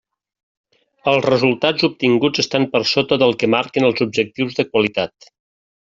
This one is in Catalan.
Els resultats obtinguts estan per sota del que marquen els objectius de qualitat.